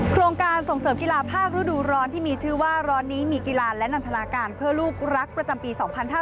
โครงการส่งเสริมกีฬาภาคฤดูร้อนที่มีชื่อว่าร้อนนี้มีกีฬาและนันทนาการเพื่อลูกรักประจำปี๒๕๕๙